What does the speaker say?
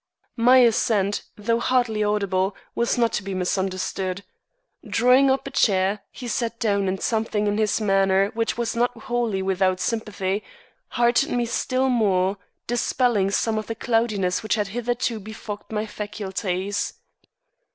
My assent, though hardly audible, was not to be misunderstood. Drawing up a chair, he sat down and something in his manner which was not wholly without sympathy, heartened me still more, dispelling some of the cloudiness which had hitherto befogged my faculties.